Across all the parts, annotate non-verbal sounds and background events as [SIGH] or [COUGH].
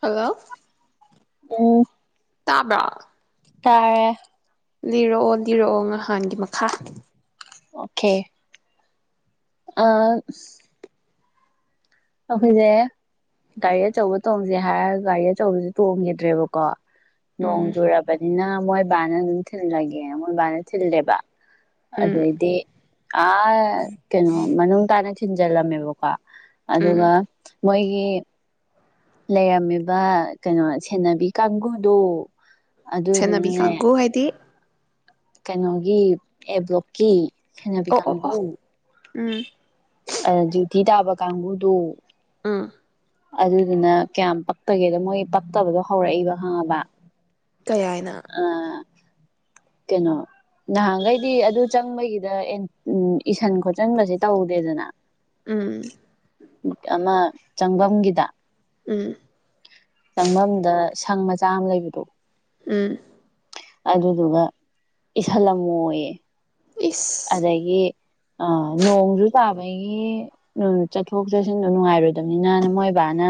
Hello ꯎꯝ ꯇꯥꯕ꯭ꯔ? ꯇꯥꯔꯦ ꯂꯤꯔꯛꯑꯣ ꯂꯤꯔꯛꯑꯣ ꯅꯍꯥꯟꯒꯤ ꯃꯈꯥ ꯑꯣꯀꯦ ꯑ ꯑꯩꯈꯣꯏꯁꯦ ꯒꯥꯔꯤ ꯑꯆꯧꯕ ꯇꯣꯡꯁꯦ ꯍꯥꯏꯔꯒ ꯒꯥꯔꯤ ꯑꯆꯧꯕꯁꯦ ꯇꯣꯡꯈꯤꯗ꯭ꯔꯦꯕꯀꯣ ꯅꯣꯡ ꯎꯝ ꯖꯣꯔꯥꯕꯅꯤꯅ ꯃꯣꯏ ꯕꯥꯅ ꯗꯨꯝ ꯊꯤꯟ ꯂꯒꯦꯅ ꯃꯣꯏ ꯕꯥꯅ ꯊꯤꯟꯂꯦꯕ ꯎꯝ ꯑꯗꯩꯗꯤ ꯑꯥ ꯀꯩꯅꯣ ꯃꯅꯨꯡ ꯇꯥꯅ ꯊꯤꯟꯖꯜꯂꯝꯃꯦꯕꯀꯣ ꯑꯗꯨꯒ ꯎꯝ ꯃꯣꯏꯒꯤ ꯂꯩꯔꯝꯃꯤꯕ ꯀꯩꯅꯣ ꯁꯦꯟꯅꯕꯤ ꯀꯥꯡꯕꯨꯗꯨ ꯁꯦꯟꯅꯕꯤ ꯀꯥꯡꯕꯨꯨ ꯍꯥꯏꯗꯤ ꯀꯩꯅꯣꯒꯤ ꯑꯦ ꯕ꯭ꯂꯣꯛꯀꯤ ꯍꯩꯅꯕꯤ ꯑꯣ ꯑꯣ ꯀꯥꯡꯕꯨ ꯑꯣ ꯎꯝ ꯑꯗꯨꯏ ꯇꯝ ꯇꯥꯕ ꯀꯥꯡꯕꯨꯗꯨ ꯎꯝ ꯑꯗꯨꯗꯨꯅ ꯀꯌꯥꯝ ꯄꯛꯇꯒꯦꯗ ꯃꯣꯏ ꯄꯛꯇꯕꯗꯣ ꯍꯧꯔꯛꯏꯕ ꯈꯪꯉꯕ ꯀꯌꯥꯅ ꯀꯩꯅꯣ ꯅꯍꯥꯟꯈꯩꯗꯤ ꯑꯗꯨ ꯆꯪꯕꯒꯤꯗ ꯎ ꯏꯁꯟ ꯈꯣꯠꯆꯟꯕꯁꯦ ꯇꯧꯗꯦꯗꯅ ꯎꯝ ꯑꯃꯥ ꯆꯪꯐꯝꯒꯤꯗ ꯎꯝ ꯆꯪꯐꯝꯗ ꯁꯪ ꯃꯆꯥ ꯑꯃ ꯂꯩꯕꯗꯣ ꯎꯝ ꯑꯗꯨꯗꯨꯒ ꯏꯁꯜ ꯑꯃ ꯑꯣꯏꯌꯦ ꯏꯁ ꯑꯗꯒꯤ ꯑ ꯅꯣꯡꯁꯨ ꯆꯥꯕ ꯑꯩꯣꯏꯒꯤ ꯆꯠꯊꯣꯛ ꯆꯠꯁꯤꯟꯗꯣ ꯅꯨꯡꯉꯥꯏꯔꯣꯏꯗꯕꯅꯤꯅ ꯅ ꯃꯣꯏ ꯕꯥꯅ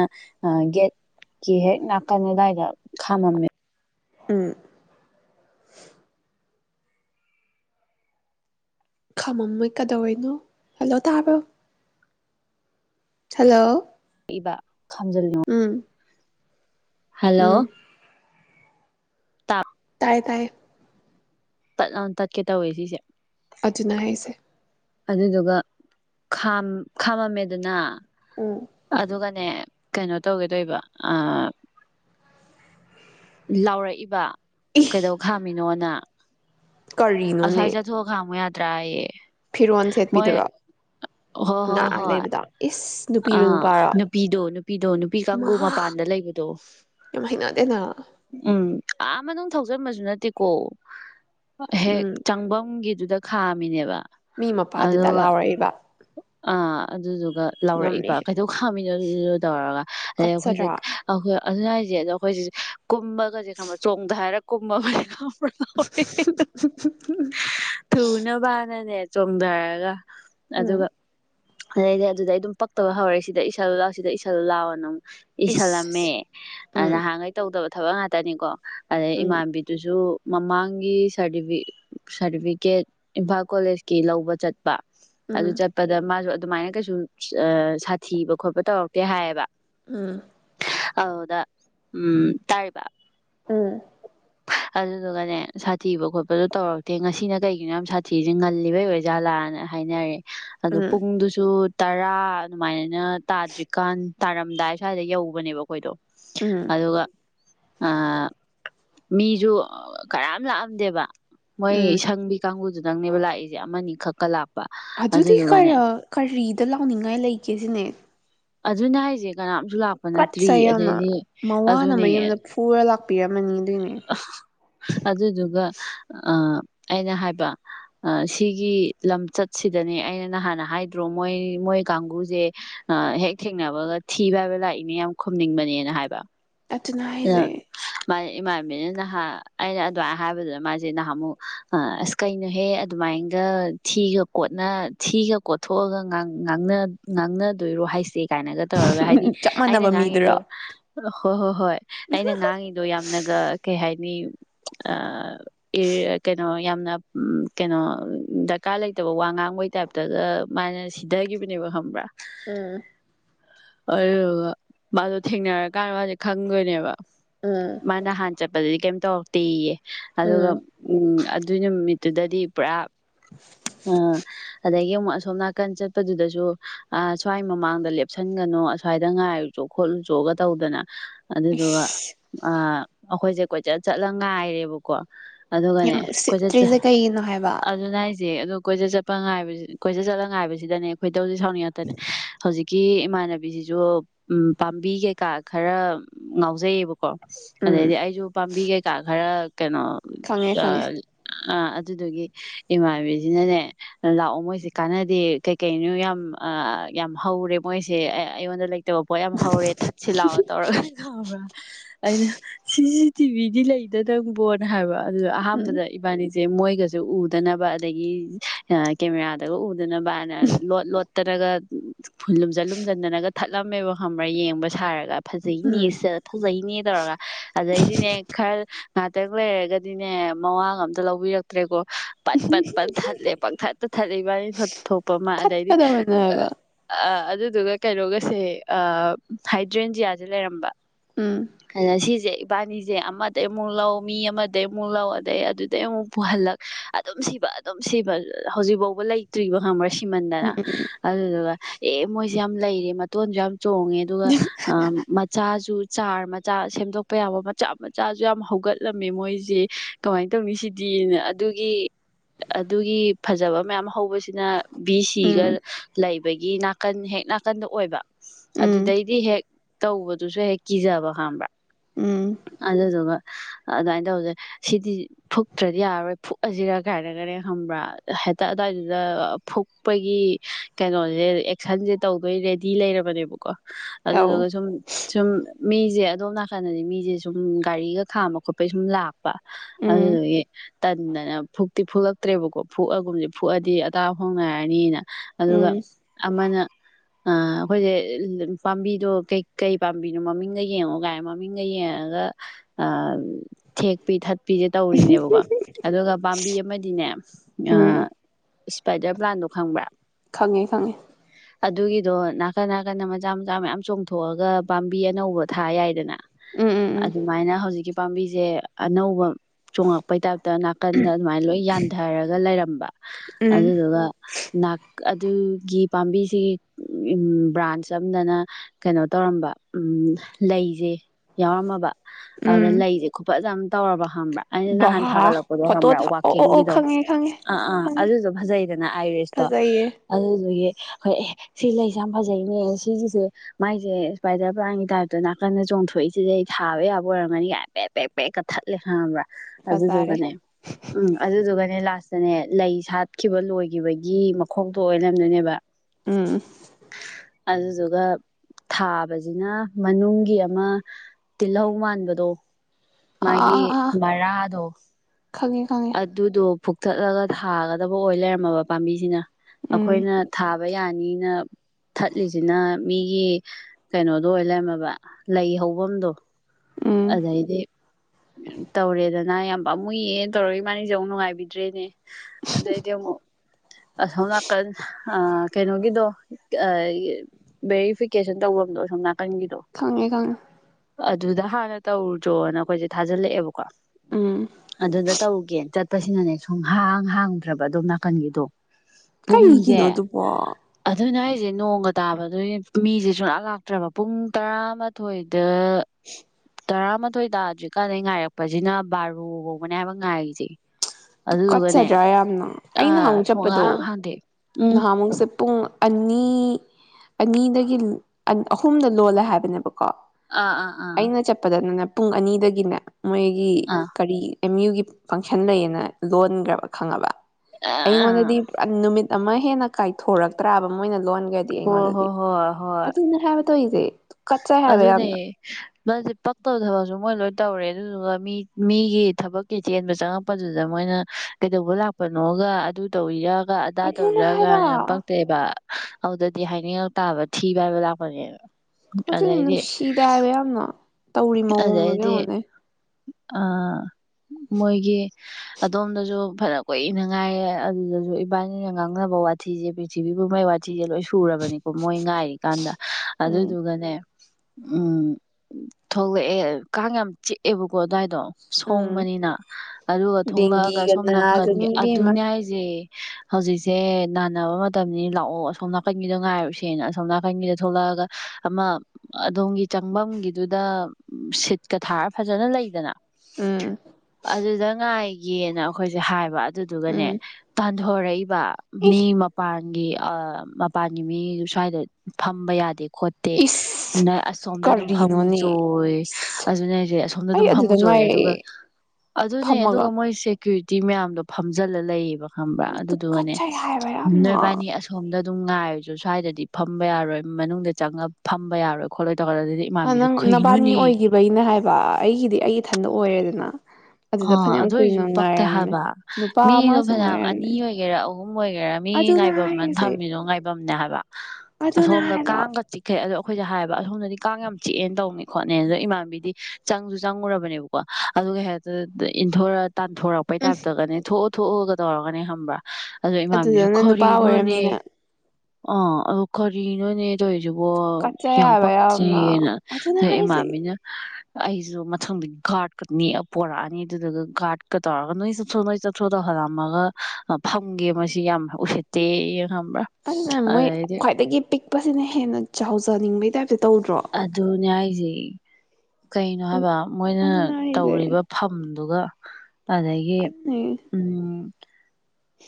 ꯒꯦꯠꯀꯤ ꯍꯦꯛ ꯅꯥꯀꯟ ꯑꯗꯨꯗꯥꯏꯗ ꯈꯥꯝꯃꯝꯃꯦ ꯎꯝ ꯈꯥꯝꯃꯝꯃꯦꯣꯏ ꯀꯗꯧꯅꯣ ꯍꯜꯂꯣ ꯇꯥꯕ꯭ꯔꯣ ꯍꯜꯂꯣ ꯏꯕ ꯎꯝ ꯍꯂꯣ ꯎꯝ ꯇꯥꯛ ꯇꯥꯏ ꯇꯥꯏ ꯠ ꯇꯠꯀꯦ ꯇꯧꯋꯦ ꯁꯤꯁꯦ ꯑꯗꯨꯅ ꯍꯥꯏꯁꯦ ꯑꯗꯨꯗꯨꯒ ꯈꯥꯝ ꯈꯥꯝꯃꯝꯃꯦ ꯑꯗꯨꯅ ꯎꯝ ꯑꯗꯨꯒꯅꯤ ꯅ ꯀꯩꯅꯣ ꯇꯧꯒꯦꯗꯣꯏꯕ ꯂꯥꯎꯔꯛꯏꯕ ꯏ ꯀꯩꯗꯧ ꯈꯥꯝꯃꯤꯅꯣꯅ ꯑ ꯍꯥꯏꯥꯏ ꯆ ꯊ ꯈꯥꯡꯝ ꯌꯥ ꯇꯔꯥꯏꯌꯦ ꯐꯤꯔꯣꯟꯜ ꯁꯦꯠꯄꯤꯗꯨꯔꯣ ꯍꯣ ꯍꯣ ꯍꯣꯏ ꯂꯩꯕꯗ ꯏꯁ ꯅꯨꯄꯤꯔꯣ ꯑꯥ ꯅꯨꯄꯥꯔꯣ ꯅꯨꯄꯤꯗꯣ ꯅꯨꯄꯤꯗꯣ ꯅꯨꯄꯤ ꯃꯥ ꯀꯥꯡꯒꯨ ꯃꯄꯥꯟꯗ ꯂꯩꯕꯗꯣ ꯌꯥꯝ ꯍꯩꯅꯗꯦꯅ ꯎꯝ ꯑꯥ ꯑꯃ ꯑꯗꯨ ꯊꯧꯖꯟꯃꯁꯨ ꯅꯠꯇꯦꯀꯣ ꯍꯦꯛ ꯎꯝ ꯆꯪꯐꯝꯒꯤ ꯑꯗꯨꯗ ꯈꯥꯝꯃꯤꯅꯦꯕ ꯃꯤ ꯃꯄꯥꯗꯨꯗ ꯂꯥꯎꯔꯛꯏꯕ ꯑ ꯑꯗꯨꯗꯨ ꯉꯝꯃꯦ ꯂꯧꯥꯎꯔꯛꯏꯕ ꯀꯩꯗꯧ ꯈꯥꯝꯃꯤꯅꯣꯅꯣ ꯇꯧꯔꯒ ꯑꯗꯗꯒꯤꯩ ꯀꯠꯆꯔꯥ ꯑꯩꯈꯣꯏꯁꯦꯈ ꯑꯗꯨꯅꯏꯁꯦ ꯑꯗꯣ ꯑꯩꯈꯣꯏꯁꯤ ꯀꯨꯝꯕꯒꯁꯦ ꯈꯔꯕ ꯆꯣꯡꯗ ꯍꯥꯏꯔꯛ ꯀꯨꯝꯃ ꯐ ꯊꯨꯅꯕꯅꯅꯦ ꯆꯣꯡꯗ ꯍꯥꯏꯒ ꯑꯗꯨꯒ ꯎꯝ ꯑꯦ ꯑꯗꯨꯗ ꯑꯗꯨ ꯄꯛꯇꯕ ꯍꯧꯔꯦ ꯁꯤꯗ ꯏꯁꯜ ꯂꯥꯎꯁꯤꯗ ꯏꯁꯜ ꯂꯥꯎꯑꯣꯅꯨꯛ ꯏꯁꯁꯜꯂꯝꯃꯦ ꯏꯁ ꯎꯝ ꯅꯍꯥꯟꯈꯩ ꯇꯧꯗꯕ ꯊꯕꯛ ꯉꯥꯛꯇꯅꯤꯀꯣ ꯑꯗꯩ ꯎꯝ ꯏꯃꯥꯟꯕꯤꯗꯨꯖꯨ ꯃꯃꯥꯡꯒꯤ ꯁꯥꯔꯇꯤꯐꯤꯀꯦꯠ ꯏꯝꯐꯥꯜ ꯀꯣꯂꯦꯖꯀꯤ ꯂꯧꯕ ꯆꯠꯄ ꯑꯗꯨ ꯎꯝ ꯆꯠꯄꯗ ꯃꯥꯁꯨ ꯑꯗꯨꯃꯥꯏꯅ ꯀꯩꯁꯨ ꯁꯥꯊꯤꯕ ꯈꯣꯠꯄ ꯇꯧꯔꯛꯇꯦ ꯍꯥꯏꯌꯦꯕ ꯑꯝ ꯑꯗ ꯎꯝ ꯇꯥꯔꯤꯕ ꯑꯥ ꯑꯗꯨꯗꯨꯒꯅꯦ ꯁꯥꯊꯤꯕ ꯈꯣꯠꯄꯗꯣ ꯇꯧꯔꯛꯇꯦ ꯉꯁꯤꯅ ꯀꯩꯒꯤꯅꯣ ꯌꯥꯝ ꯁꯥꯊꯤꯔꯤꯁꯦ ꯉꯜꯂꯤꯕꯩ ꯑꯣꯏ ꯖꯥꯠꯂꯥꯅ ꯍꯥꯏꯅꯔꯦ ꯑꯗꯣ ꯎꯝ ꯄꯨꯡꯗꯨꯁꯨ ꯇꯔꯥ ꯑꯗꯨꯃꯥꯏꯅ ꯇꯥꯖ ꯈꯥꯟ ꯇꯥꯔꯝꯗꯥꯏ ꯁ꯭ꯋꯥꯏꯗ ꯌꯧꯕꯅꯦꯕ ꯑꯩꯈꯣꯏꯗꯣ ꯎꯝ ꯑꯗꯨꯒ ꯑ ꯃꯤꯁꯨ ꯀꯌꯥꯝꯝ ꯂꯥꯛꯑꯝꯗꯦꯕ ꯃꯣꯏ ꯎꯝ ꯏꯁꯪꯕꯤ ꯀꯥꯡꯕꯨꯗꯨ ꯅꯪꯅꯦꯕ ꯂꯥꯛꯏꯁꯦ ꯑꯃꯅꯤ ꯈ ꯀꯂꯥꯛ ꯑꯗꯨ ꯑꯗꯨꯗꯤ ꯀ ꯀ ꯇ ꯂꯥꯎꯅꯤꯡꯉꯥꯏ ꯂꯩꯒꯦ ꯁꯤꯅꯦ ꯑ ꯍꯥꯏꯖꯦ ꯄꯠ ꯆꯩ ꯌꯥꯝꯅ ꯃꯋꯥꯅ ꯑꯗꯨꯅꯦ ꯃꯌꯨꯝꯗ ꯐꯔ ꯂꯥꯛ ꯑꯗꯨꯗꯨꯒ ꯑ ꯑꯩꯅ ꯍꯥꯏꯕ ꯁꯤꯒꯤ ꯂꯝꯆꯠꯁꯤꯗꯅꯦ ꯑꯩꯅ ꯅꯍꯥꯟꯅ ꯍꯥꯏꯗ꯭ꯔꯣ ꯃꯣꯏ ꯃꯣꯏ ꯀꯥꯡꯒꯨꯁꯦ ꯍꯦꯛ ꯊꯦꯡꯅꯕꯒ ꯊꯤꯕ ꯍꯥꯏꯕ ꯂꯥꯛꯏꯅꯦ ꯌꯥꯝ ꯈꯨꯝꯅꯤꯡꯕꯅꯦꯅ ꯍꯥꯏꯕ ꯑꯆꯅꯁꯦ ꯃꯥ ꯏꯃꯥꯟꯕꯤꯅ ꯅꯍꯥꯟ ꯑꯩꯅ ꯑꯗꯨꯃꯥꯏꯅ ꯍꯥꯏꯕꯗꯨꯗ ꯃꯥꯁꯦ ꯅꯍꯥꯟꯃꯨꯛ ꯑꯁ ꯀꯩꯅꯣꯍꯦ ꯑꯗꯨꯃꯥꯏꯒ ꯊꯤꯒ ꯀꯣꯠꯅ ꯊꯤꯒ ꯀꯣꯠꯊꯣꯛꯑꯒꯥꯡ ꯉꯥꯡꯅꯗꯣꯏꯔꯣ ꯍꯥꯏꯁꯦ ꯀꯥꯏꯅꯒ ꯇꯧꯔꯒ ꯍꯥꯏꯗꯤ ꯆꯞ ꯑꯩꯅ ꯃꯥꯟꯅꯕ ꯉꯥꯡꯉꯤꯗꯣ ꯃꯤꯗꯨꯔꯣ ꯍꯣ-ꯍꯣ-ꯍꯣꯏ ꯑ ꯩꯅ ꯉꯥꯡꯉꯤ ꯌꯥꯝꯅꯒ ꯀꯩ ꯍꯥꯏ ꯅꯤ ꯑꯥ ꯏꯔꯤꯔ ꯀꯩꯅꯣ ꯌꯥꯝꯅ ꯎꯝ ꯀꯩꯅꯣ ꯗꯥꯀꯥ ꯂꯩꯇꯕ ꯋꯥ ꯉꯥꯡꯕꯒꯤ ꯇꯥꯏꯞꯇꯒ ꯃꯥꯅ ꯁꯤꯗꯒꯤꯅꯦꯕ ꯈꯪꯕ꯭ꯔꯥ ꯑꯝ ꯑꯌꯨꯗꯨꯒ ꯃꯥꯗꯣ ꯊꯦꯡꯅꯔꯀꯥꯟꯗ ꯃꯥꯖꯦ ꯈꯪꯗꯣꯏꯅꯦꯕ ꯎꯝ ꯃꯅꯥ ꯍꯥꯥꯟ ꯆꯄꯗꯗꯤ ꯀꯦꯝ ꯇꯧꯔꯛꯇꯦꯌꯦ ꯑꯗꯨꯒ ꯎꯝ ꯎꯝ ꯑꯗꯨꯏ ꯅꯨꯃꯤꯠꯇꯨꯗꯗꯤ ꯄꯨꯔꯥ ꯑꯥ- ꯑꯗꯒꯤ ꯑꯃꯨꯛ ꯑꯁꯣꯝ ꯅꯥꯀꯟ ꯆꯠꯄꯗꯨꯗꯁꯨ ꯑꯥ ꯁ꯭ꯋꯥꯏ ꯃꯃꯥꯡꯗ ꯂꯦꯞꯁꯟꯒꯅꯣ ꯑꯁ꯭ꯋꯥꯏꯗ ꯉꯥꯏꯔꯨꯆꯣ ꯈꯣꯠꯂꯨꯆꯣꯒ ꯇꯧꯗꯅ ꯑꯗꯨꯗꯨꯒ ꯏꯁ ꯑꯥ ꯑꯈꯣꯏꯁꯦ ꯀꯣꯏꯆꯠ ꯆꯠꯂ ꯉꯥꯏꯔꯦꯕꯀꯣ ꯑꯗꯨꯒꯅꯦ ꯌꯥꯝ ꯎꯁꯤꯠꯇ꯭ꯔꯤꯖꯦ ꯀꯩꯒꯤꯅꯣ ꯍꯥꯏꯕ ꯖꯦ ꯑꯗꯣ ꯀꯣꯏꯆꯠ ꯆꯠꯄ ꯉꯥꯏꯕꯖꯤ ꯀꯣꯏꯆꯠ ꯆꯠꯂ ꯉꯥꯏꯕꯖꯤꯗꯅꯦ ꯑꯩꯈꯣꯏ ꯍꯧꯖꯤ ꯁꯥꯎꯅꯤꯉꯛꯇꯅꯦ ꯍꯧꯖꯤꯛ ꯀꯤ ꯏꯃꯥꯟꯅꯕꯤꯖꯤꯖꯨ ꯄꯥꯝꯕꯤ ꯀꯩꯀꯥ ꯈꯔ ꯉꯥꯎꯖꯩꯌꯦꯕ ꯀꯣ ꯎꯝ ꯑꯗꯩꯗꯤ ꯑꯩꯖꯨ ꯄꯥꯝꯕꯤ ꯀꯩꯀꯥ ꯈꯔ ꯀꯩꯅꯣ ꯈꯪꯉꯦ ꯈꯪꯉꯦ ꯑꯥ ꯑ-ꯑꯗꯨꯗꯨꯒꯤ ꯏꯃꯥ ꯏꯃꯥꯅꯕꯤꯖꯤꯅꯅꯦ ꯂꯥꯛꯑꯣ ꯃꯣꯏꯖꯦ ꯀꯥꯟꯅꯗꯦ ꯀꯩ- ꯀꯩꯅꯣ ꯌꯥꯝ-ꯌꯥꯝ ꯑꯥ ꯍꯧꯔꯦ ꯃꯣꯏꯁꯦ ꯑꯩꯉꯣꯟꯗ ꯂꯩ ꯇꯣ ꯄꯣꯠ ꯌꯥꯝ ꯍꯧꯔꯦ ꯊꯠꯁꯤ ꯂꯥꯎꯑꯣ ꯇꯧꯔꯒ ꯅꯕ꯭ꯔꯥ ꯑꯩꯅ ꯁꯤꯖꯤ ꯇꯤꯕꯤꯚꯤ ꯂꯩꯇꯗꯪ ꯕꯣꯠ ꯍꯥꯏꯕ ꯑꯗꯨꯗ ꯎꯝ ꯑꯍꯥꯟꯕꯗ ꯏꯕꯥꯅꯤ ꯃꯣꯏꯒꯁꯨ ꯎꯗꯅꯕ ꯑꯒꯤ ꯀꯦꯃꯦꯔꯥꯗꯒ ꯎ ꯎꯗꯅꯕꯅ ꯂꯣꯠ-ꯂꯣꯠꯇꯅꯒ ꯐꯨ ꯂꯨꯝꯖꯟꯂꯨ ꯂꯨꯝꯖꯟꯗꯅꯒ ꯊꯠꯂꯝꯃꯦꯕ ꯈꯪꯕ꯭ꯔꯥ ꯌꯦꯡꯕ ꯁꯥꯔꯒ ꯎꯝ ꯐꯖꯩꯅꯦ ꯐꯖꯩꯅꯦ ꯇꯧꯔꯒ ꯑꯗꯩꯗꯤꯅꯦ ꯈꯔ ꯉꯥꯇꯡ ꯂꯩꯔꯒꯗꯤꯅꯦ ꯃꯋꯥꯒ ꯑꯝꯇ ꯂꯧꯕꯤꯔꯛꯇ꯭ꯔꯦꯀꯣ ꯄꯠ ꯄꯠ ꯄꯠ ꯊꯠꯂꯦ ꯄꯪꯊꯠꯇ ꯊꯠꯂꯦ ꯏꯕꯅꯤ ꯊꯣꯛ ꯊꯣꯛꯄ ꯑꯃ ꯑꯗꯩꯗꯤ ꯊꯠꯀꯗꯕꯅꯦ ꯍꯥꯏꯕ ꯑꯥ ꯑꯗꯨꯗꯨꯒ ꯀꯩꯅꯣꯒꯁꯦ ꯑꯥ ꯍꯥꯏꯗ꯭ꯔꯦꯟꯖꯤꯌꯥꯁꯦ ꯂꯩꯔꯝꯕ ꯎꯝ ꯁꯤꯖꯦ ꯏꯕꯥꯅꯤꯁꯦ ꯑꯃꯗꯩ ꯑꯃꯨꯛ ꯂꯧ ꯃꯤ ꯑꯃꯗꯩ ꯑꯃꯨꯛ ꯂꯧ ꯑꯗꯩ ꯑꯗꯨꯗꯩ ꯑꯃꯨꯛ ꯄꯨꯍꯜꯂꯛ ꯑꯗꯨꯝ ꯁꯤꯕ ꯑꯗꯨꯝ ꯁꯤꯕ ꯍꯧꯖꯤꯛ ꯐꯥꯎꯕ ꯂꯩꯇ꯭ꯔꯤꯕ ꯈꯪꯕ꯭ꯔ [UNINTELLIGIBLE] ꯃꯟꯗꯅ ꯑꯗꯨꯗꯨꯒ ꯑꯦ ꯃꯣꯏ ꯌꯥꯝ ꯂꯩꯔꯦ ꯃꯇꯣꯟꯁꯨ ꯌꯥꯝ ꯆꯣꯡꯉꯦ ꯑꯗꯨꯒ ꯑ ꯃꯆꯥꯁꯨ ꯆꯥꯔ [UNINTELLIGIBLE] ꯃꯆꯥ ꯁꯦꯝꯗꯣꯛꯄ ꯌꯥꯕ ꯃꯆꯥ ꯃꯆꯥꯁꯨ ꯌꯥꯝ ꯍꯧꯒꯠꯂꯝꯃꯦ ꯃꯣꯏꯁꯦ ꯀꯃꯥꯏꯅ ꯇꯧꯅꯤꯁꯤꯗꯤ ꯑꯗꯨꯒꯤ ꯑꯗꯨꯒꯤ ꯐꯖꯕ ꯃꯌꯥꯝ ꯍꯧꯕꯁꯤ ꯅ ꯕꯤ ꯁꯤꯒ ꯎꯝ ꯂꯩ ꯑꯗꯒꯤ ꯅꯥꯀꯟ ꯍꯦꯛ ꯅꯥꯀꯟꯗꯣ ꯑꯣꯏꯕ ꯎꯝ ꯑꯗꯨꯗꯩꯗꯤ ꯍꯦꯛ ꯇꯧꯕꯗꯨꯁꯨ ꯍꯦꯛ ꯀꯤꯖꯕ ꯈꯝꯕ꯭ꯔꯥ ꯎꯝ ꯑꯗꯨꯗꯨꯒ ꯑꯗꯨꯃꯥꯏꯅ ꯇꯧꯁꯦ ꯁꯤꯗꯤ ꯐꯨꯛꯇ꯭ꯔꯗꯤ ꯌꯥꯔꯔꯣꯏ ꯐꯨꯛꯑꯁꯤꯔ ꯀꯥꯏꯅ ꯐꯈꯔꯦ ꯈꯪꯕ꯭ꯔꯥ ꯍꯦꯛꯇ ꯑꯗꯨꯋꯥꯏꯗꯨꯗ ꯐꯨꯛꯄꯒꯤ ꯀꯩꯅꯣꯁꯦ ꯑꯦꯛꯁꯟꯁꯦ ꯇꯧꯗꯣꯏ ꯔꯦꯗꯤ ꯂꯩꯔꯕꯅꯦꯕꯀꯣ ꯑꯗꯨꯗꯨꯒ ꯑꯧ ꯁꯨꯝ ꯁꯨꯝ ꯃꯤꯁꯦ ꯑꯗꯣꯝ ꯅꯥꯀꯟꯗꯗꯤ ꯃꯤꯁꯦ ꯁꯨꯝ ꯒꯥꯔꯤꯒ ꯈꯥꯝꯕ ꯈꯣꯠꯄꯩ ꯁꯨꯝ ꯂꯥꯛꯄ ꯎꯝ ꯑꯗꯨꯗꯨꯒꯤ ꯇꯟꯗꯅ ꯐꯨꯛ ꯇꯤ ꯐꯨꯂꯛꯇ꯭ꯔꯦꯕꯀꯣ ꯐꯨꯑꯒꯨꯝꯁꯦ ꯐꯨꯛꯑꯗꯤ ꯑꯗꯥꯕ ꯐꯣꯡꯅꯥꯏꯔꯅꯤꯅ ꯑꯗꯨꯒ ꯎꯝ ꯑꯃꯅ ꯑꯩꯈꯣꯏꯁꯦ ꯄꯥꯝꯕꯤꯗꯣꯩ ꯀꯩ ꯄꯥꯝꯕꯤꯅꯣ ꯃꯃꯤꯡꯒ ꯌꯦꯡꯉꯣ ꯀꯥꯏ ꯃꯃꯤꯡꯒ ꯌꯦꯡꯉꯒ ꯊꯦꯛꯄꯤ ꯊꯠ ꯄꯤꯖꯦ ꯇꯧꯔꯤꯅꯦꯕꯀꯣ ꯑꯗꯨꯒ ꯄꯥꯝꯕꯤ ꯑꯃꯗꯤꯅꯦ ꯑ ꯎꯝ ꯏꯁꯄꯥꯏꯗꯔ ꯄ꯭ꯂꯥꯟꯗꯣ ꯈꯪꯕ꯭ꯔꯥ ꯈꯪꯉꯦ ꯈꯪꯉꯦ ꯑꯗꯨꯒꯤꯗꯣ ꯅꯥꯀꯟ ꯅꯥꯀꯟꯗ ꯃꯆꯥ ꯃꯆꯥ ꯃꯌꯥꯝ ꯆꯣꯡꯊꯣꯛꯑꯒ ꯄꯥꯝꯕꯤ ꯑꯅꯧꯕ ꯊꯥ ꯌꯥꯏꯗꯅ ꯎꯝ ꯎꯝ ꯎꯝ ꯑꯗꯨꯃꯥꯏꯅ ꯍꯧꯖꯤꯛꯀꯤ ꯄꯥꯝꯕꯤꯁꯦ ꯑꯅꯧꯕ ꯆꯣꯉꯛꯄꯩ ꯇꯥꯏꯞꯇ ꯅꯥꯀꯟꯗ ꯑꯗꯨꯃꯥꯏꯅ ꯂꯣꯏ ꯌꯥꯟꯊꯔꯒ ꯂꯩꯔ [UNINTELLIGIBLE] [UNINTELLIGIBLE] ꯎꯝ ꯑꯗꯨꯗꯨꯒ [UNINTELLIGIBLE] ꯑꯗꯨꯒꯤ ꯄꯥꯝꯕꯤꯁꯤꯒꯤ ꯕ꯭ꯔꯥꯟꯁ ꯑꯝꯗꯅ ꯀꯩꯅꯣ ꯇꯧꯔꯝꯕ ꯂꯩꯖꯦ ꯌꯥꯎꯔꯝꯃꯕ ꯎꯝ ꯑꯗꯨꯗ ꯂꯩꯁꯦ ꯈꯨꯐꯠꯖ ꯑꯃ ꯇꯧꯔꯕ ꯈꯪꯕ꯭ꯔꯥ ꯑꯩꯅ ꯕꯥ ꯅꯍꯥꯟ ꯊꯥꯒꯠꯂꯛꯄꯣ ꯐꯣꯇꯣ ꯈꯪꯕ꯭ꯔ ꯊꯥ ꯑꯣ ꯑꯣ ꯑꯣ ꯀꯥꯛꯀꯤꯡꯒꯤꯗꯣ ꯈꯪꯉꯦ ꯈꯪꯉꯦ ꯑꯥ ꯑꯥ ꯈꯪꯉꯦ ꯑꯗꯨꯁꯨ ꯐꯖꯩꯗꯅ ꯑꯥꯏꯔꯤꯁꯇꯣ ꯐꯖꯩꯌꯦ ꯑꯗꯨꯗꯒꯤ ꯑꯩꯈꯣꯏ ꯑꯦ ꯁꯤ ꯂꯩꯁꯦ ꯌꯥꯝ ꯐꯖꯩꯅꯦ ꯁꯤꯒꯤꯁꯦ ꯃꯥꯏꯁꯦ ꯏꯁꯄꯥꯏꯗꯔ ꯄ꯭ꯂꯥꯟꯒꯤ ꯇꯥꯏꯞꯇ ꯅꯥꯀꯟꯗ ꯆꯣꯡꯊꯣꯛꯏꯁꯤꯗꯤ ꯑꯩ ꯊꯥꯕ ꯌꯥꯕ ꯑꯣꯏꯔꯝꯒꯅꯤꯒ ꯄꯦꯛ ꯄꯦꯛ ꯄꯦꯛꯀ ꯊꯠꯂꯦ ꯈꯪꯕ꯭ꯔꯥ ꯐꯖꯔꯦ ꯑꯖꯤꯁꯨꯒꯅꯦ ꯑꯗꯨꯗꯨꯒꯅꯦ ꯂꯥꯁꯇꯅꯦ ꯂꯩ ꯁꯥꯠꯈꯤꯕ ꯂꯣꯏꯈꯤꯕꯒꯤ ꯃꯈꯣꯛꯇꯣ ꯑꯣꯏꯔꯝꯗꯣꯏꯅꯦꯕ ꯎꯝ ꯑꯗꯨꯒ ꯊꯥꯕꯁꯤꯅ ꯃꯅꯨꯡꯒꯤ ꯑꯃ ꯇꯤꯜꯍꯧ ꯃꯥꯟꯕꯗꯣ ꯑꯥ ꯑꯥ ꯃꯥꯒꯤ ꯑꯥ ꯑꯥ ꯃꯔꯚꯔꯥꯗꯣ ꯈꯪꯉꯦ ꯈꯪꯉꯦ ꯑꯗꯨ ꯑꯗꯨꯗ ꯐꯨꯛꯊꯠꯂꯒ ꯊꯥꯒꯗꯕ ꯑꯣꯏ ꯂꯩꯔꯝꯃꯕ ꯄꯥꯝꯕꯤꯁꯤꯅ ꯎꯝ ꯑꯩꯈꯣꯏꯅ ꯊꯥꯕ ꯐꯕ ꯌꯥꯅꯤꯅ ꯊꯠꯂꯤꯁꯤꯅ ꯃꯤꯒꯤ ꯀꯩꯅꯣꯗꯣ ꯑꯣꯏ ꯂꯩꯔꯝꯃꯕ ꯂꯩ ꯍꯐꯝꯗꯣ ꯎꯝ ꯑꯗ ꯏꯦ ꯇꯧꯔꯤꯦꯗ ꯅ ꯌꯥꯝ ꯄꯥꯝꯨ ꯌꯦꯌꯦꯦꯅ ꯇꯧꯔꯒ ꯏ ꯃꯥꯅꯤꯁꯦ ꯑꯃꯨ ꯅꯨꯡꯉꯥꯏꯕꯤꯗ꯭ꯔꯦꯅꯦ ꯑꯗꯩꯗꯤ ꯑꯁꯣꯝ ꯅꯥꯀꯟ ꯀꯩꯅꯣꯒꯤꯗꯣ ꯚꯦꯔꯤꯐꯤꯀꯦꯁꯟ ꯇꯧꯕ ꯑꯗꯣ ꯑꯁꯣꯝ ꯅꯥꯀ ꯈꯪꯉꯦ ꯈꯉꯦ ꯑꯗꯨꯗ ꯍꯥꯏ ꯇꯧꯔꯨꯖꯣꯅ ꯑꯩꯈꯣꯏꯁꯦ ꯊꯥꯖꯤꯜꯂꯛꯑꯦꯕꯀꯣ ꯎꯝ ꯑꯗꯨꯗ ꯇꯧꯒꯦ ꯁꯤꯅꯅꯦ ꯁꯨꯝ ꯍꯥꯡ ꯍꯥꯡꯗ꯭ꯔꯕ ꯑꯣ ꯅꯥꯀꯟꯒꯤꯗꯣ ꯀꯩꯒꯤꯅꯣ ꯑꯗꯨꯕꯣ ꯁꯤꯁꯦ ꯅꯣꯡꯒ ꯇꯥꯕꯗ ꯃꯤꯁꯦ ꯁꯨꯡꯂꯞ ꯂꯥꯛꯇ꯭ꯔꯕ ꯄꯨꯡ ꯇꯔꯥꯃꯊꯣꯏ ꯆ ꯇꯔꯥꯃꯥꯊꯣꯏꯗ ꯍꯧꯛꯀꯥꯟꯗꯩ ꯉꯥꯏꯔꯛꯄꯁꯤꯅ ꯕꯥꯔꯣ ꯍꯧꯕꯅꯦ ꯍꯥꯏꯕ ꯉꯥꯏꯔꯤꯁꯦ ꯑꯗꯨꯗꯨꯒꯅꯦ ꯀꯠꯆꯗ꯭ꯔꯥ ꯌꯥꯝꯅ ꯑ ꯑꯩ ꯅꯍꯥꯃꯨꯛ ꯆꯠꯄꯗꯣ ꯁꯨꯡꯍꯥꯡ ꯍꯥꯡꯗꯦ ꯎꯝ ꯅꯍꯥꯃꯨꯛꯁꯦ ꯄꯨꯡ ꯑꯅꯤ ꯑꯅꯤꯗꯒꯤ ꯑꯍꯨꯝꯗ ꯂꯣꯜꯂꯦ ꯍꯥꯏꯕꯅꯦꯕꯀꯣ ꯀꯣ ꯑꯥ ꯑꯥ ꯑꯥ ꯑꯩꯅ ꯆꯠꯄꯗꯅ ꯄꯨꯡ ꯑꯅꯤꯗꯒꯤꯅꯦ ꯃꯣꯏꯒꯤ ꯑꯥ ꯀꯔꯤ ꯑꯦꯝ ꯌꯨꯒꯤ ꯐꯪꯁꯟ ꯂꯩꯌꯦꯅ ꯂꯣꯟꯈ꯭ꯔꯕ ꯈꯪꯉꯕ ꯑꯥ ꯑꯥ ꯑꯩꯉꯣꯟꯗꯗꯤ ꯅꯨꯃꯤꯠ ꯑꯃ ꯍꯦꯟꯅ ꯀꯥꯏꯊꯣꯔꯛꯇ꯭ꯔꯥꯕ ꯃꯣꯏꯅ ꯂꯣꯟ ꯗꯤ ꯍꯣꯏ ꯑꯩꯉꯣꯟꯗꯗꯤ ꯍꯣꯏ ꯍꯣꯏ ꯍꯣꯏ ꯑꯗꯨꯅ ꯍꯥꯏꯕ ꯇꯧꯏꯁꯦ ꯑꯗꯨꯅꯦ ꯃꯥꯗꯤ ꯄꯛꯇꯧ ꯊꯕꯁꯨ ꯃꯣꯏ ꯂꯣꯏ ꯇꯧꯔꯦ ꯑꯗꯨꯗꯨꯒ ꯃꯤ ꯃꯤꯒꯤ ꯊꯕꯛꯀꯤ ꯆꯦꯟꯕ ꯆꯪꯉꯛꯄꯗꯨꯗ ꯃꯣꯏꯅ ꯀꯩꯗꯧꯕ ꯂꯥꯛꯄꯅꯣꯒ ꯑꯗꯨ ꯇꯧꯋꯤꯔ ꯑ ꯑꯗꯥ ꯑꯗꯨꯅ ꯍꯥꯏꯕ ꯇꯧꯔꯀꯥꯟꯅ ꯌꯥꯝ ꯄꯛꯛꯇꯩꯑꯕ ꯑꯗꯨꯗꯗꯤ ꯍꯥꯏꯅꯤꯡꯉ ꯇꯥꯕ ꯊꯤ ꯐꯥꯏꯕ ꯂꯥꯛꯄꯅꯦꯕ ꯑꯣ ꯑꯗꯩꯗꯤ ꯅꯨꯡꯁꯤꯗꯦ ꯍꯥꯏꯕ ꯌꯥꯝꯅ ꯇꯧꯔꯤ ꯃꯑꯣꯡꯗ ꯑꯗꯩꯗꯤ ꯌꯦꯡꯉꯨꯅꯦ ꯑ ꯃꯣꯏꯒꯤ ꯑꯗꯣꯝꯗꯁꯨ ꯐꯅ ꯀꯨꯏꯅ ꯉꯥꯏꯌꯦ ꯑꯗꯨꯗꯁꯨ ꯏꯕꯥꯅꯤꯅ ꯉꯥꯡꯅꯕ ꯋꯥꯊꯤꯁꯦ ꯄ꯭ꯔꯤꯊꯤꯕꯤꯕꯨ ꯃꯩ ꯋꯥꯊꯤꯁꯦ ꯂꯣꯏ ꯁ ꯁꯨꯔꯕꯅꯤꯀꯣ ꯃꯣꯏ ꯉꯥꯏꯔꯤꯀꯥꯟꯗ ꯎꯝ ꯑꯗꯨꯗꯨꯒꯅꯦ ꯎꯝ ꯊꯣꯛꯂꯛꯑꯦ ꯀꯥꯡ ꯌꯥꯝ ꯆꯤꯛꯑꯦꯕꯀꯣ ꯑꯗꯨꯋꯥꯏꯗꯣ ꯎꯝ ꯁꯣꯡꯕꯅꯤꯅ ꯑꯗꯨꯒ ꯊꯣꯛꯂꯛꯑꯒ ꯗꯦꯡꯒꯤꯒ ꯁꯣꯝ ꯅꯥꯀꯟꯒꯤ ꯅꯥꯖꯅꯤ ꯏꯕꯦꯝꯃ ꯑꯗꯨꯅꯦ ꯍꯥꯏꯁꯦ ꯍꯧꯖꯤꯛꯁꯦ ꯅꯥꯕ ꯃꯇꯝꯅꯤ ꯂꯥꯛꯑꯣ ꯑꯁꯣꯝ ꯅꯥꯀꯟꯒꯤꯗꯣ ꯉꯥꯏꯔꯨꯁꯦꯅ ꯑꯁꯣꯝ ꯅꯥꯀꯟꯒꯤꯗ ꯊꯣꯛꯂꯛꯑꯒ ꯑꯃ ꯑꯗꯣꯝꯒꯤ ꯆꯪꯐꯝꯒꯤ ꯑꯗꯨꯗ ꯁꯤꯠꯀ ꯊꯥꯔ ꯐꯖꯅ ꯂꯩꯗꯅ ꯎꯝ ꯑꯗꯨꯗ ꯉꯥꯏ ꯌꯦꯅ ꯑꯩꯈꯣꯏꯁꯦ ꯍꯥꯏꯕ ꯑꯗꯨꯗꯨꯒꯅꯦ ꯎꯝ ꯍꯔ ꯑꯩ ꯏ ꯃꯤꯃꯄꯥ ꯒꯤ ꯃꯄꯥꯟꯒꯤ ꯃꯤ ꯁ꯭ꯋꯥꯏꯗ ꯊꯝꯕ ꯌꯥꯗꯦ ꯈꯣꯠꯇꯦ ꯏꯁ ꯅ ꯑꯁꯣꯝꯗ ꯑꯗꯨꯝ ꯐꯝꯃꯨ ꯀꯔꯤꯅꯣꯅꯦ ꯆꯣꯏ ꯏꯁ ꯑꯗꯨꯅꯦꯁꯦ ꯑꯁꯣꯝꯗ ꯑꯩ ꯑꯗꯨꯝ ꯐꯝꯉꯨ ꯑꯗꯨꯗ ꯆꯣꯏꯑꯦ ꯑꯗꯨꯒ ꯉꯥꯏꯔꯛꯑꯦ ꯑꯗꯨꯅꯦ ꯐꯝꯃꯒ ꯑꯗꯨꯒ ꯃꯣꯏꯁꯦ ꯁꯦꯀ꯭ꯌꯨꯔꯤꯇꯤ ꯃꯌꯥꯝꯗꯣ ꯐꯝꯖꯤꯜꯂ ꯂꯩꯌꯦꯕ ꯈꯪꯕ꯭ꯔꯥ ꯌꯥꯝ ꯑꯗꯨꯗꯨꯒꯅꯦ ꯇꯨꯀꯠꯆꯩ ꯍꯥꯏꯕ ꯌꯥꯝꯅ ꯅꯣꯏꯕꯥꯅꯤ ꯑꯁꯣꯝꯗ ꯑꯗꯨꯝ ꯉꯥꯏꯔꯁꯨ ꯁ꯭ꯋꯥꯏꯗꯗꯤ ꯐꯝꯕ ꯌꯥꯔꯣꯏ ꯃꯅꯨꯡꯗꯉ ꯐꯝꯕ ꯌꯥꯔꯣꯏ ꯈꯣꯠꯂꯣꯏ ꯔꯗꯤ ꯏꯃꯝꯕꯤꯁꯨ ꯅꯪ ꯅꯕꯥꯅꯤ ꯑꯣꯏꯈꯤꯕꯩꯅ ꯍꯥꯏꯕ ꯑꯩꯒꯤꯗꯤ ꯑꯩ ꯏꯊꯟꯗ ꯑꯣꯏꯔ ꯀꯗꯅ ꯑ ꯑꯗꯨ ꯑꯣꯏꯔꯁꯨ ꯄꯛꯇ ꯍꯥꯏꯕ ꯅꯨꯄꯥ ꯃꯤꯗꯣ ꯑꯃꯁꯨ ꯐꯅꯌꯥꯝ ꯑꯅꯤ ꯉꯥꯏꯔꯝꯃꯦ ꯑꯣꯏꯒꯦꯔꯥ ꯑꯍꯨꯝ ꯑꯣꯏꯒꯦꯔꯥ ꯃꯤ ꯑꯗꯨꯅ ꯉꯥꯏꯐꯝꯅ ꯍꯥꯏꯔꯤꯁꯦ ꯊꯝꯃꯤꯗꯣ ꯉꯥꯏꯐꯝꯅꯦ ꯍꯥꯏꯕ ꯑꯗꯨꯅ ꯑꯁꯣꯝꯗ ꯍꯥꯏꯕ ꯀꯥꯡꯒ ꯇꯤꯛꯈꯩ ꯑꯗꯣ ꯑꯩꯈꯣꯏꯁꯨ ꯍꯥꯏꯕ ꯑꯁꯣꯝꯗꯗꯤ ꯀꯥꯡ ꯌꯥꯝ ꯆꯤꯛꯑꯦꯅ ꯇꯧꯅꯤ ꯈꯣꯠꯅꯦ ꯑꯗꯣ ꯏꯃꯥꯟꯕꯤꯗꯤ ꯆꯪꯁꯨ ꯆꯪꯉꯨꯔꯕꯅꯦꯕꯀꯣ ꯑꯗꯨꯩ ꯍꯥꯏ ꯏꯟꯊꯣꯔ ꯇꯥꯟꯊꯣꯔꯛꯄꯩ ꯎꯝ ꯇꯥꯏꯞꯇꯒꯅꯦ ꯊꯣꯛ ꯊꯣꯛꯑꯒ ꯇꯧꯔꯒꯅꯦ ꯍꯕ꯭ꯔꯥ ꯑꯣ ꯏꯃꯥꯕꯤꯁꯨ ꯑꯗꯨꯗꯨꯅ ꯅꯨꯄꯥ ꯈꯣꯔꯤꯅꯣꯅꯦ ꯑꯣꯏꯔꯝꯅꯤꯅ ꯑ ꯑ ꯀꯔꯤꯅꯣꯅꯦ ꯑꯗꯨ ꯑꯣꯏꯁꯤꯕꯣ ꯀꯠꯆꯩ ꯌꯥꯝ ꯍꯥꯏꯕ ꯌꯥꯝꯅ ꯄꯛꯇ꯭ꯦꯔꯤꯅ ꯑꯗꯨꯅ ꯍꯥꯏꯁꯦ ꯏꯃꯥꯃꯤꯅ ꯑꯩꯁꯨ ꯃꯊꯪꯗꯤ ꯥꯔꯠꯀꯛꯅꯤ ꯄꯣꯔꯛꯑꯅꯤ ꯑꯗꯨꯗꯨꯒ ꯒꯥꯔꯗꯀ ꯇꯧꯔꯒ ꯅꯣꯏ ꯆꯠꯊ꯭ꯔꯣ ꯅꯣꯏ ꯆꯠꯊ꯭ꯔꯣ ꯇꯧꯍꯜꯂꯝꯃꯒ ꯐꯝꯒꯦ ꯃꯁꯤ ꯌꯥꯝ ꯎꯁꯤꯠꯇꯦ ꯈꯪꯕ꯭ꯔꯥ ꯑꯗꯨꯅ ꯃꯣꯏ ꯑꯗꯩꯗꯤ ꯈ꯭ꯋꯥꯏꯗꯒꯤ ꯄꯤꯛꯄꯁꯤꯅ ꯍꯦꯟꯅ ꯆꯥꯎꯖꯩ ꯕꯗꯤꯦ ꯑꯗ ꯭ꯌꯥꯏꯖꯩ ꯀꯩꯅꯣ ꯎꯝ ꯍꯥꯏꯕ ꯃꯣꯏꯅ ꯑꯗꯨꯅ ꯍꯥꯏꯁꯦ ꯇꯧꯔꯤꯕ ꯐꯝꯗꯨꯒ ꯑꯗꯒꯤ ꯑꯗꯨꯅꯦ ꯎꯝ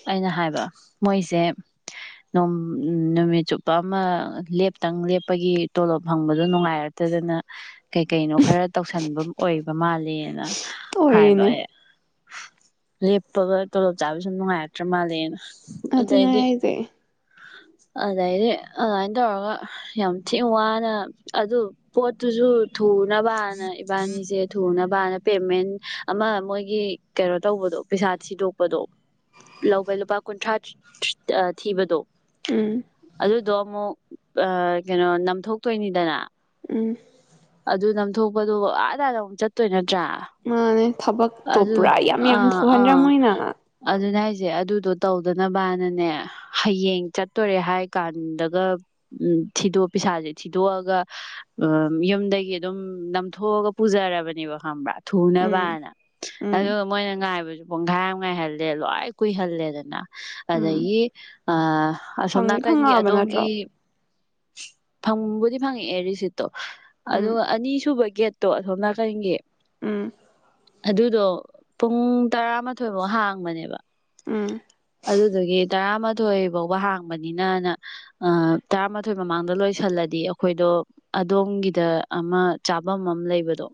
ꯑꯩꯅ ꯍꯥꯏꯕ ꯃꯣꯏꯁꯦ ꯅꯨꯝ ꯅꯨꯃꯤꯠ ꯆꯨꯞꯄ ꯑꯃ ꯂꯦꯞꯇꯪ ꯂꯦꯞꯄꯒꯤ ꯇꯣꯂꯣꯞ ꯐꯪꯕꯗꯣ ꯅꯨꯡꯉꯥꯏꯔꯛꯇꯗꯅ ꯀꯩꯀꯩꯅꯣ ꯈꯔ ꯇꯧꯁꯟꯕ ꯑꯣꯏꯕ ꯃꯥꯂꯅ ꯍꯥꯏꯕ ꯑꯣꯏꯔꯤꯅꯦ ꯑꯩ ꯂꯦꯞꯄꯒ ꯇꯂꯣꯞ ꯆꯕꯤꯁ ꯅꯅꯨꯡꯉꯥꯏ ꯇꯔ ꯃꯥꯂꯦꯅ ꯑꯗꯨꯅꯦ ꯍꯥꯏꯖꯦ ꯑꯗꯩꯗꯤ ꯑꯗꯨꯃꯥꯏꯅ ꯇꯧꯔꯒ ꯌꯥꯝ ꯊꯤꯅ ꯋꯥꯅ ꯑꯗꯨ ꯄꯣꯠꯇꯨꯁꯨ ꯊꯨꯅꯕ ꯏꯕꯥꯅꯤꯁꯦ ꯊꯨꯅꯕ ꯕꯥꯅ ꯄꯦꯃꯦꯟ ꯑꯃ ꯃꯣꯏꯒꯤ ꯀꯩꯅꯣ ꯇꯧꯕꯗꯣ ꯄꯩꯁꯥ ꯊꯤꯗꯣꯛꯄꯗꯣ ꯂꯧꯕ ꯂꯨꯄꯥ ꯀꯨꯟꯊ꯭ꯔꯥ ꯊꯤꯕꯗꯣ ꯎꯝ ꯑꯗꯨꯗꯣ ꯑꯃꯨꯛ ꯑ ꯀꯩꯅꯣ ꯅꯝꯊꯣꯛꯇꯣꯏꯅꯤꯗꯅ ꯎꯝ ꯑꯗꯨꯗ ꯅ ꯄꯨꯊꯣꯛꯄꯗꯣ ꯑꯥ ꯑꯗꯥꯗ ꯑꯃꯨꯛ ꯆꯠꯇꯣꯏ ꯅꯠꯇ꯭ꯔꯥ ꯃꯥꯅꯦ ꯊꯕꯛꯇꯣ ꯑꯗꯨ ꯄꯨꯔꯥ ꯌꯥꯝ ꯌꯥꯝ ꯊꯣꯛꯍꯟꯗ꯭ꯔ ꯃꯣꯏꯅ ꯁꯦ ꯑꯗꯨꯗꯣ ꯇꯧꯗꯅꯕꯅꯅꯦ ꯍꯌꯦꯡ ꯆꯠꯇꯣꯔꯦ ꯍꯥꯏ ꯀꯥꯟꯗꯒ ꯎ ꯊꯤꯗꯣꯛ ꯄꯁꯥꯁꯦ ꯊꯤꯗꯣꯛꯑꯒ ꯎ ꯌꯨꯝꯗꯒꯤ ꯑꯗꯨꯝ ꯅꯝꯊꯣꯛꯑꯒ ꯄꯨꯖꯔꯕꯅꯦꯕ ꯈꯪꯕ꯭ꯔꯥ ꯎꯝ ꯊꯨꯅꯕꯥꯅ ꯑ ꯎꯝ ꯃ ꯥꯏꯕꯁꯨ ꯄꯨꯡꯈꯥꯏ ꯑꯃ ꯉꯥꯏꯍꯜꯂꯦ ꯂꯣꯏ ꯀꯨꯏꯍꯜꯂꯦꯗꯅ ꯎꯝ ꯑꯗꯒꯤ ꯑ ꯑꯁꯣꯝ ꯐꯪꯗꯤ ꯅꯥꯀꯟꯒꯤ ꯐꯪꯉꯛꯑꯕ ꯅꯠꯇ꯭ꯔꯣ ꯑꯗꯣꯝꯒꯤ ꯐꯪꯕꯨꯗꯤ ꯐꯪꯉꯛꯑꯦꯔꯤꯁꯤꯠ ꯎꯝ ꯑꯗꯨ ꯑꯅꯤꯁꯨꯕꯒꯤ ꯒꯦꯠꯇꯣ ꯑꯁꯣꯝꯅ ꯀꯔꯤꯒꯤ ꯎꯝ ꯑꯗꯨꯗꯣ ꯄꯨꯡ ꯇꯔꯥꯃꯥꯊꯣꯏꯐꯧ ꯍꯥꯡꯕꯅꯦꯕ ꯎꯝ ꯑꯗꯨꯗꯒꯤ ꯇꯔꯥꯃꯥꯊꯣꯏ ꯐꯥꯎꯕ ꯍꯥꯡꯕꯅꯤꯅꯅ ꯇꯔꯥꯃꯥꯊꯣꯏ ꯃꯃꯥꯡꯗ ꯂꯣꯏꯁꯤꯜꯂꯗꯤ ꯑꯩꯈꯣꯏꯗꯣ ꯑꯗꯣꯝꯒꯤꯗ ꯑꯃ ꯆꯥꯐꯝ ꯑꯃ ꯂꯩꯕꯗꯣ